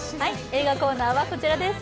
映画コーナーは、こちらです。